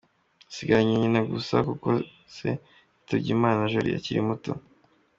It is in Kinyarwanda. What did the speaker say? Asigaranye nyina gusa, kuko se yitabye Imana Jolly akiri muto.